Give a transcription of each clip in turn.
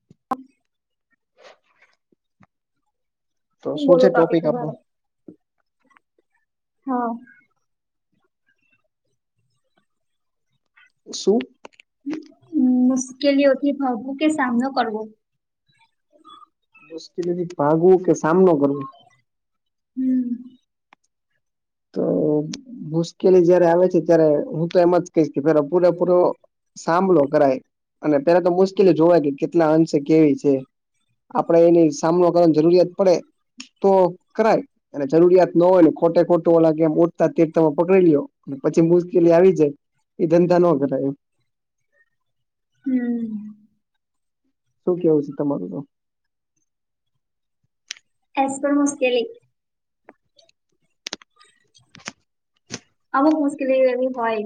[inaudible] તો હુ શું છે બોલું તોપીક ટોપિક ઉભા આપડો રો હા શું? મુશ્કેલીઓથી ભાગવુ કે સામનો કરવો? મુશ્કેલીથી ભાગવું કે સામનો કરવો? હમ. તો મુશ્કેલી જયારે આવે છે, ત્યારે હું તો એમાં જ કહીશ કે પેલા પૂરેપૂરો સામલો કરાય અને પેલા તો મુશ્કેલી જોવાની કેટલા અંશે કેવી છે. આપણે એની સામનો કરવાની જરૂરિયાત પડે તો કરાય અને જરૂરિયાત ન હોય ને ખોટે ખો [unintelligible] તમે પકડી લ્યો પછી મુશ્કેલી આવી જાય એ ધંધા ન કરાય એમ હમ. શું કેવું છે, તમારુંતો એસ પણ મુશ્કેલી અમુક મુશ્કેલી એવી હોય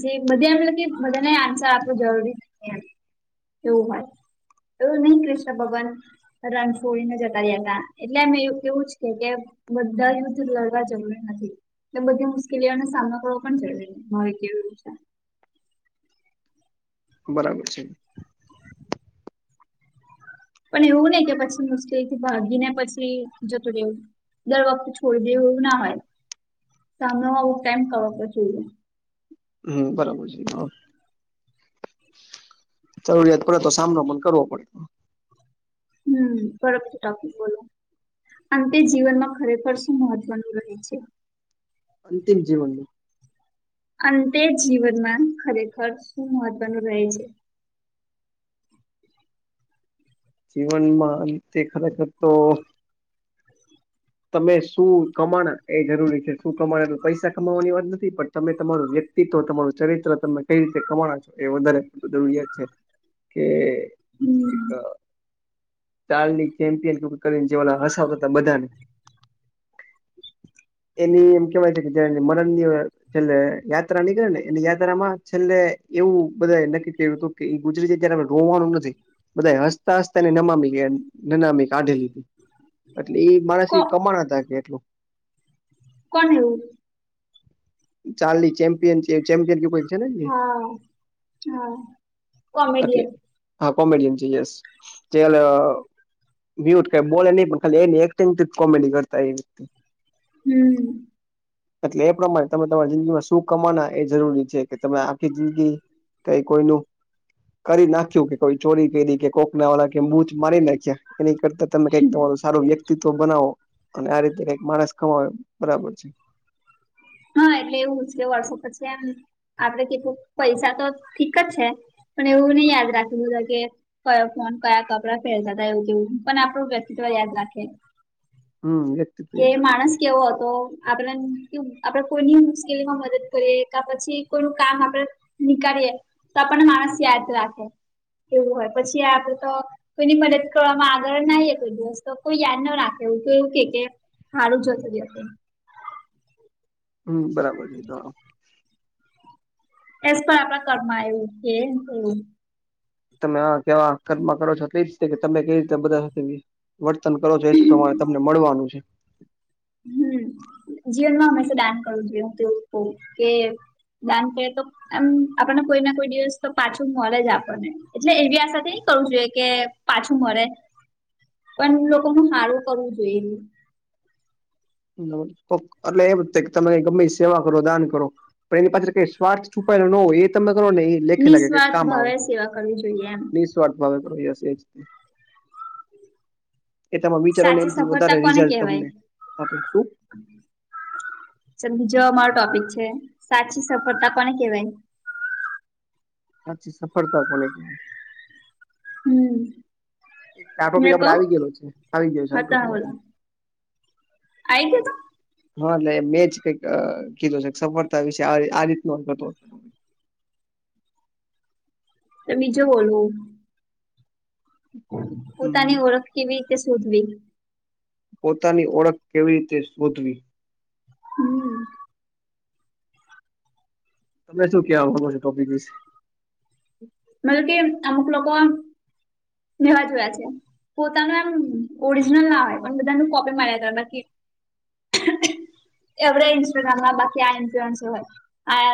જે બધા એટલે કે બધાને આન્સર આપવું જરૂરી નથી એમ એવું વહોય એવુ ની ક્રિષ્ણ ભગવાન રણ છોડીને જતા રહ્યા હતા એટલે એમે એ એવું કેવું જ કે કે બધા યુદ્ધ લડવા જરૂરી નથી એ બધી મુ કેલીઓનો સામનો કરવો પણ જરૂરી [unintelligible] બરાબર છે. પણ એવું નય કે પછી મુશ્કેલીથી ભાગી ને પછી જતું રેવું દર વખત છોડી દેવું એવું ના હોય સામનો હોવું [unintelligible] હમ બરાબર છે. જરૂરિયાત પડે તો સામનો પણ કરવો પડે હમ [unintelligible] બોલો આમ તે જીવનમાં ખરેખર શું મહત્વનું રહે છે? અંતિમ જીવનનું અંતે જીવનમાં ખરેખર શું મહત્વનું રહે છે. જીવનમાં તે ખરેખર તો તમે શું કમાણા એ જરૂરી છે, શું કમાણ એટલે પૈસા કમાવાની વાત નથી પણ તમે તમારું વ્યક્તિત્વ તમારું ચરિત્ર તમે કઈ રીતે કમાણા છો એ વધારે બધુ યાદ છે, કે એક હમ ટાલની ચેમ્પિયન ટુકડીને જે ઓલા હસાવતા બધાને એની એમ કેવાય છે કે જે મરણની અ છેલ્લે યાત્રા નીકળે ને એની યાત્રામાં છેલ્લે એવું બધાએ નક્કી કર્યું હતું કે એ ગુજરીતી ત્યારે રોવાનું નથી. બધાએ હસતા હસતાને નમામી નનામી કાઢેલીઘી એટલે એ માણસ કો પણ હતા કે એટલું કોણ એવું ચાલી ચેમપિયન ચે ચેપિયન [unintelligible] હા હા અટલે કોમેડિયન હા કોમેડિયન છે યસ [unintelligible] મ્યુટ કઈ બોલે નહી પણ ખાલી એની એક્ટિંગથી જ કોમેડી કરતા એ વ્યક્તિ હમ્મ અટલે એ પ્રમાણે તમે તમારી જિંદગીમાં શું કમાના એ જરૂરી છે કે તમે આખી જિંદગી કઈ કોઈનું કરી નાખ્યું કે કોઈ ચોરી કરી કે કોકના વાળા કે બુચ મારી નાખ્યા અને ઈ કરતા તમે કઈક તમારું સારું વ્યક્તિત્વ બનાવો અને આ રીતે કંઈક માણસ કમાવે બરાબર છે. હા એટલે એવું છે કે વર્ષો પછી એમ આપડે કેધું પૈસા તો ઠીક જ છે. પણ એવું નહી યાદ રાખે બધા કે કયો ફોન કયા કપડાં પેરતા હતા એવું જેવું પણ આપણું વ્યક્તિત્વ યાદ રાખે હમ્મ કે માણસ કેવો હતો આપણાંન કેવું આપડે કોઈની મુશ્કેલીમાં મદદ કરીએ કા પછી કોઈનું કામ આપડે નીકળીએ તો આપણને માણસ યાદ રાખે એવું હોય પછી આપડે તો કોઈની મદદ કરવામાં આગળ નહી કોઈ દિવસ તો કોઈ યાદ ન રાખે એવું તો એવું કે કે હારું જતો રિયો તે. હમ્મ બરાબર [unintelligible] એશ પર આપણા કર્મા એવું કે ન તેવું. તમે આવા કેવા કર્મ કરો છો કઈ રીતે કે તમે કઈ રીતે બધા સાથે વર્તન કરો છો એજ પ્રમાણે તમને મળવાનું છે. હમ્મ જીવનમાં હંમેશા દાન કરવું જોઈએ હું એવું જ કઉ કે દાન કરે તો એમ આપણને કોઈ ના કોઈ દિવસ તો પાછું મળે જ આપને એટલે એવી આશાથી નઈ કરવું જોઈએ કે પાછું મળે પણ લોકો હારું કરવું જોઈએ. એટલે એમ તમે ગમે સેવા કરો દાન કરો. પણ એની પાછળ કઈ સ્વાર્થ છુપાયેલો ન હોય એ તમે કરો ને ઈ નિસ્વાર્થ ભાવે સેવા કરવી જોઈએ એમ. સ્વાર્થ ભાવે કર્યા યસ યસ એ તમે વિચારોને સાચી એથી સફળતા વધારે કોને રિઝલ્ટ કહેવાય તમને આપે શું. ચલ બીજો અમારો ટોપિક છે સાચી સફળતા કોને કેવાય? સાચી સફળતા કોણે કેવાય? હમ્મ આ ટોપિક આપડે આવી ગયેલો છે આવી ગયો છે આ હા તમે ટોપિક બોલો આપડે. આઈ ગયો તો? હા એટલે મેં જ કંઇક અ કીધું છે સફળતા વિશે આ આ રીતનો હતો તો. એ બીજો બોલું હું. પોતાની હમ ઓળખ કેવી રીતે શોધવી? પોતાની ઓળખ કેવી રીતે શોધવી? હમ તમને શું કેવા માંગો છો ટોપિક વિશે? મતલબ કે અમુક લોકો નવા જોયા છે. પોતાનું એમ ઓરિજનલ ના હોય પણ બધાનું કોપી માર્યા [inaudible] [inaudible] ઇન્સ્ટાગ્રામમાં બાકી આ ઇન્ફ્લુઅન્સ હોય આ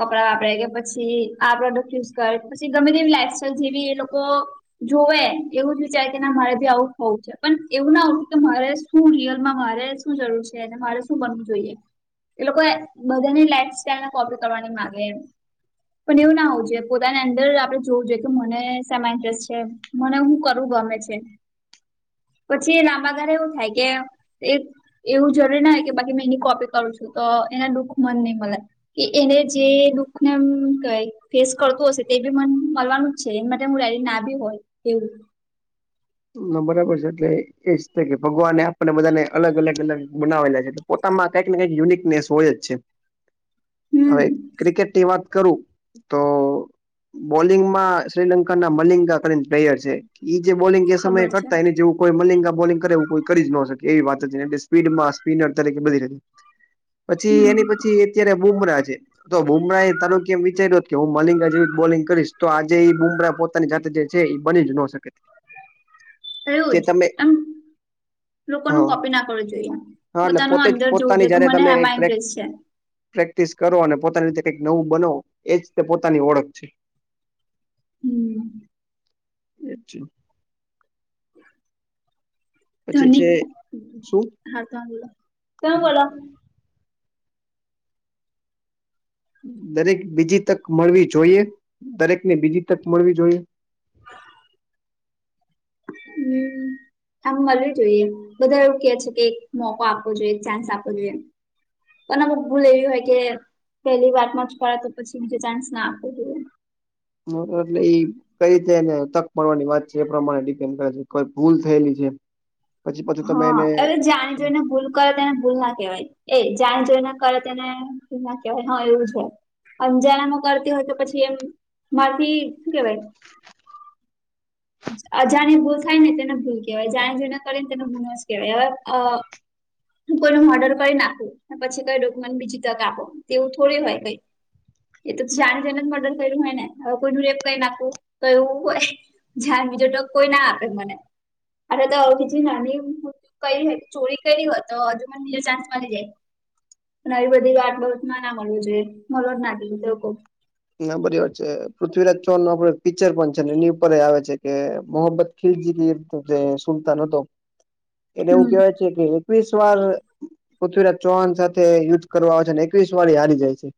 કપડા વાપરે કે પછી આ પ્રોડક્ટ યુઝ કરે પછી ગમે તેવી લાઈફ સાઈલ જેવી એ લોકો જોવે એવું જ વિચાર કે ના મારે બી આવું હોઉ છે. પણ એવું ના આવતું કે મારે શું રિયલમાં મારે શું જરૂર છે અને મારે શું બનવું જોઈએ? એ લોકો બધાની લાઈફ સ્ટાઈલ કોપી કરવાની માગે એમ પણ એવું ના હોવું જોઈએ. પોતાની અંદર આપણેે જોવું જોઈએ કે મને શેમાં ઇન્ટરેસ્ટ છે મને હું કરવું ગમે છે. પછી લાંબા ગાળ એવું થાય કે એક એવું જરૂરી ના કે બાકી મેં એની કોપી કરું છું તો એના દુઃખ મન નહીં મળે. કે એને જે દુઃખને એમ ક ફેસ કરતું હશે તે બી મ મળવાનું જ છે એ માટે હું રેડી ના બી હોય એવું. ના બરાબર છે એટલે એ જ છે કે ભગવાને આપણને બધાને અલગ અલગ અલગ બનાવેલા. પોતામાં કઈક ને કઈક યુનિકનેસ હોય જ છે હવે હમ ક્રિકેટની કરું તો બોલિંગમાં શ્રીલંકાના મલિંગા કરી પ્લેયર છે એ જે બોલિંગ સમય ખબર છે કરતા એને જેવું કોઈ મલિંગા બોલિંગ કરેવું કોઈ કરી જ ન શકે એવી વાત હતી ને એટલે સ્પીડમાં સ્પિનર તરીકે બધી ર પછી હમ એની પછી અત્યારે બુમરાહ છે. તો બુમરાહ એ તારું કે એમ વિચાર્યું કે હું મલિંગા જેવી બોલિંગ કરીશ તો આજે એ બુમરાહ પોતે ની જાતે જે છે એ બની જ ન શકે. જે એયું જ તમે એમ લોકો નુ હા કોપી ના કરવું જોઈએ હા એટલે પોતાનું પોતે જ અંદર જોવું પોતાની જોઈએ કે જયારે મને તમે કઈક એમાં પ્રેક- ઇન્ટરેસ્ટ છે. પ્રેક્ટિસ કરો અને પોતાની રીતે કઈક નવું બનો એજ તે પોતાની ઓળખ છે. [inaudible] એ જી પછી ધનિક છે શું? હા ત બોલો તું બોલો દરેક બીજી તક મળવી જોઈએ દરેક ને બીજી તક મળવી જોઈએ. હમ આમ મળવી જોઈએ બધા એવું કે છે કે મોકો આપવો જોઈએ ચાન્સ આપવો જોઈએ. અને બ ભૂલ એવી હોય કે પેલી વાતમાં [inaudible] તો પછી ચાન્સ ના આપું. [inaudible] એ કઈ રીતે એને તક મળવાની વાત છે એ પ્રમાણે ડિપેન્ડ કરે છે કોઈ ભૂલ થયેલી છે. પછી પાછું તમે હા એને હવે જાણી જોઈને ભૂલ કરે તેને ભૂલ ના કહેવાય એ જાણે જોઈ ના કરે તેને ભૂલ ના કહેવાય હ એવું છે. અંજાણમાં કરતી હોય તો પછી એમ માંથી શું કેવાય? અજાણી ભૂલ થાય ને તેને ભૂલ કેવાય જાણે જ કરી ને તેને ભૂલો જ કેવાય હવે હું કોઈ મોર્ડર કરી નાખું પછી કઈ ડોક્યુમેન્ટ બીજી તક આપો તેવું થોડી હોય એ તો જાણે જાને જ મર્ડર કર્યું હોય ને હવે કોઈ રેપ કઈ નાખવું તો એવું હોય [inaudible] બીજો ટક કોઈ ના આપે મને આટ તો બીજી નાની કઈ ચોરી કરી હોય તો હજુ મને બીજો ચાન્સ મળી જાય. અને આવી બધી વાત બાબત ના ના મળવી જોઈએ મળો જ ના દીધ લોકો હા બરીબર છે પૃથ્વીરાજ ચૌહા નું આપડું પિક્ચર પણ છે ને એની ઉપર આવે છે કે મોહ [inaudible] જે સુલતાન હતો. [inaudible] એટલે એવું હમ કેવાય છે કે, એકવીસ વાર પૃથ્વીરાજ ચૌહાણ સાથે યુદ્ધ કરવા આવે છે એકવીસ વાર હારી જાય છે.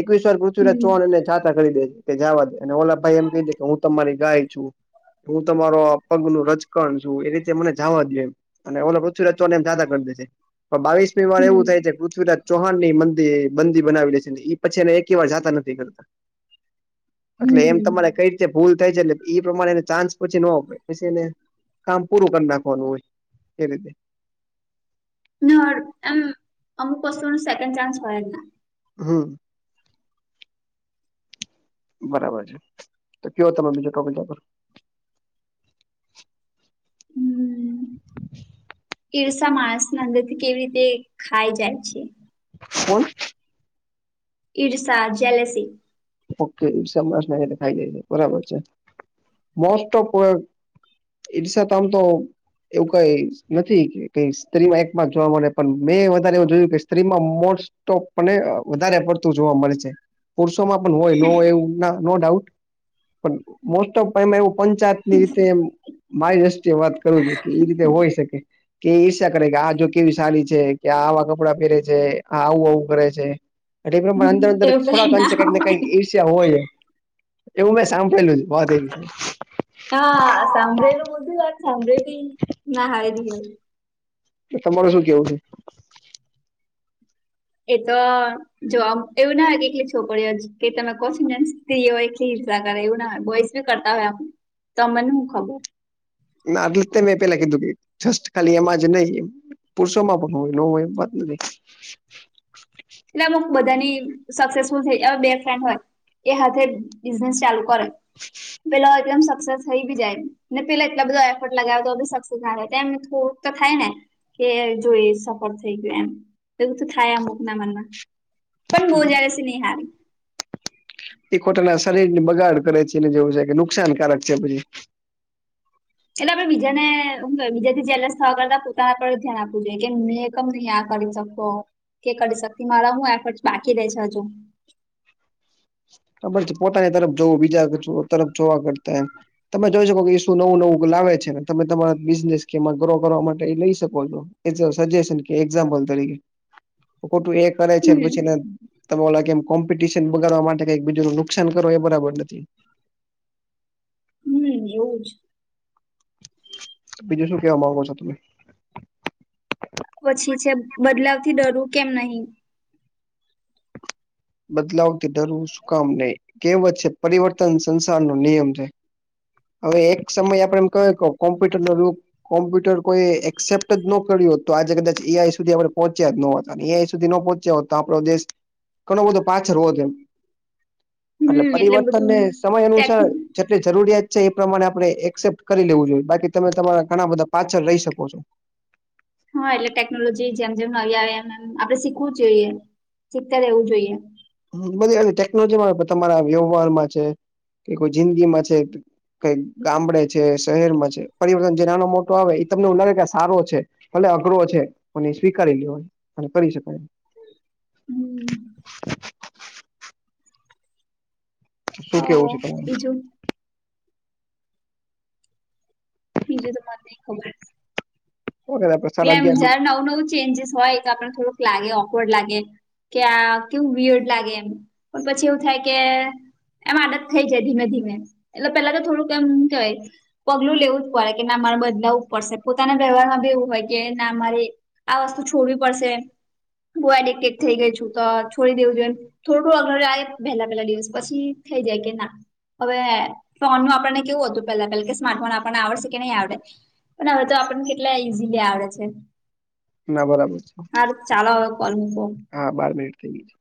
એકવીસ વાર પૃથ્વી હમ જાતા કરી દે તે જવા દે અને ઓલા ભાઈ એમ કહી દે કે હું તમારી ગાય છું. હું તમારો પગ નું રચકણ છું એ રીતે મને જવા દયો. અને ઓલો પૃથ્વી [unintelligible] એમ જા કરી દે પણ બાવીસ કોઈ વાર હમ એવું થાય કે પૃથ્વીરાજ ચૌહા ની મંદિ બંદી બનાવી લે છે ને એ પછી ને એક વાર જાતા નથી. [unintelligible] એટલે એમ હમ તમારે કઈ ભૂલ થાય છે એટલે એ પ્રમાણેને ચાન્સ પછી ને પછી એને છે ને કામ પૂરું કરી નાખવાનું હોય એ રીતે. [unintelligible] એમ અમુક વસ્તુઓના સેકન્ડ ચાન્સ હોય જ ના. હા. બરાબર છે તો કેવો તમે બીજો કમેન્ટ આપો. હમ્મ [inaudible] ઈર્ષા માણસ ના અંદર થી કેવી રીતે ખાઈ જાય છે. કોણ. ઈર્ષસા જલેસી. ઓકે ઈર્ષસ માણસને ખાઈ જાય છે બરાબર છે મોસ્ટ ઓફ કોઈ ઈર્ષસા [unintelligible] તો એવું કઈ નથી કે કઈ સ્ત્રીમાં એકમાં જોવા મળે પણ મેં વધારે એવું જોયું કે સ્ત્રીમાં મોસ્ટ [unintelligible] અને વધારે પડતું જોવા મળે છે પુરુષોમાં હોય નો હોય એવું ના નો ડાઉટ. પણ મોસ્ટ ઓફ એમ એવું પંચાયતની રીતે એમ. મારી દ્રષ્ટિએ વાત કરું છું કે એ રીતે હોય શકે. કે ઈર્ષા કરે કે આ જો કેવી સડી છે કે આ આવા કપડાં પહેરે છે આ આવું આવું કરે છે. એટલે અંદર અંદર એવું કઈ થોડાક ના [unintelligible] હોય ઈર્ષ્યા હોય એવું મેં સાંભળેલું [unintelligible] રીતે. હા સાંભળેલું બધી વાત સામેથી ભી ના કહેવાય. તો તમારે શું કેવું છે. એ તો જોબ એવું ના હોય કે કેટલી છોકરીઓ કે તમે કોછી ને સ્ત્રી હોય કેલી હિંસા કરે એવું ના હોય બોયસ કરતા હોય આપણે તો મને હું ખબર. નાટલે મેં પેલા કીધું કે જસ્ટ ખાલી એમાં જ નહી પુરષો માં પણ હોય નો હોય એ વાત નથી. એટલે અમુ બધાની સક્સેસફુલ થઈ હવે બે ફ્રેન્ડ હોય એ હથે બિઝનેસ ચાલુ કરે પેલા [unintelligible] સક્સેસ થઈ બી જાય ને પેલા એટલા બધો એફર્ટ લગાવે તો બી સક્સેસ આવે થોડુંક તો થાય ને. કે જો એ સફળ થઈ ગયું એમ એવું તો થાય [unintelligible] ના મના પણ બો જેલીસી ની હારી. એ ખોટાના શરીર ને બગાડ કરે છે અને જેવું છે કે નુકસાનકારક છે પછી. એટલે આપણે બીજા ને બીજા જેલેસ થવા કરતા પોતાના પર ધ્યાન આપવું જોઈએ કે મે [unintelligible] નહી આ કરી શકો કે કરી શકતી મારા હું એફર્ટ બાકી રે છે હજુ. ખબર છે પોતાની તરફ જવું બીજા તરફ જોવા કરતા એ. તમે જોઈ શકો કે શું નવું નવું લાવે છે ને તમે તમારા બિઝનેસ કેમાં ગ્રો કરવા માટે એ લઈ શકો છો. કવો સજેશન કે એક્ઝામ્પલ તરીકે ખોટું એક કરે છે હમ પછીને તમે ઓ કેમ કોમ્પિટિશન બગાડવા માટે કઈક બીજું ન નુકસાન કરો એ બરાબર નથી. હમ્મ એવું જ. બીજું શું કેવા માંગો છો તમે. પછી છે બદલાવ થી ડરવું કેમ નહી. બદલાવ થી ડરવું શું કામ નહી કેવત છે પરિવર્તન સંસાર નો નિયમ છે. હવે એક સમયે આપડે એમ કહે કે કોમ્પ્યુટર નો રુપ કોમ્પ્યુટર કોઈ એક્સેપ્ટ જ નો કર્યું હોત તો આજે કદાચ એ આઈ સુધી આપડે પહોંચ્યા જ ન હોત અને એઆઈ સુધી ન પો ચયા હોત તો આપડો દેશ ઘણો બધો પાછળ હોત એમ. એટલે હમ બધું પરિવર્તનને સમય ટેક અનુસાર જેટલી જરૂરિયાત છે એ પ્રમાણે આપડે એક્સેપ્ટ કરી લેવું જોઈએ બાકી તમે તમારા ઘણા બધા પાછળ રહી શકો છો. હા એટલે ટેકનોલોજી જેમ જેમ નવી આવે એમ એમ આપડે શીખવું જ જોઈએ, શીખતા રહેવું જોઈએ. હમ બધી આવી ટેકનોલોજીમાં તમારા વ્યવહારમાં છે કે કોઈ જિંદગીમાં છે કઈ ગામડે છે, શહેરમાં છે પરિવર્તન જે નાનો મોટો આવે ઈ તમને એવું લાગે કે આ સારો છે. ભલે અઘરો છે પણ ઈ સ્વીકારી લ્યો અને કરી શકાય. હમ. શું તો કેવું છે તમારુ? બીજું બીજું તો મન નઈ ખબર [unintelligible] એટલે એમ જયારે નવું નવું ચેન્જીસ હોય તો આપન થોડુંક લાગે ઓકવર્ડ લાગે કે આ કેવું વીયર્ડ લાગે એમ પણ પછી એવું થાય કે એમ આદત થઈ જાય ધીમે ધીમે એટલે પેલા તો થોડુંક એમ કેવાય પગલું લેવું જ પડે કે ના મારે બદલાવવું પડશે પોતાના વ્યવહાર માં બી એવું હોય કે ના મારે આ વસ્તુ છોડવી પડશે બઉ એડિક્ટેડ થઈ ગઈ છું તો છોડી દેવું જોઈએ થોડું અગળ આયે પહેલા પહેલા દિવસ પછી થઈ જાય કે ના હવે ફોનનું આપણને કેવું હતું પેલા પેલા કે સ્માર્ટ ફોન આપણને આવડશે કે નહીં આવડે પણ હવે તો આપણને કેટલા ઈઝીલી આવડે છે. ના બરાબર છે, હારું ચાલો હવે કોલ મૂકો હા બાર મિનિટ થઈ ગયી છે.